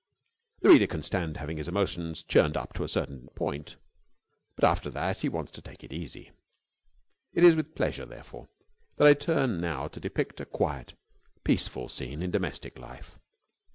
The reader can stand having his emotions churned up to a certain point; after that he wants to take it easy. It is with pleasure, therefore, that I turn now to depict a quiet, peaceful scene in domestic life.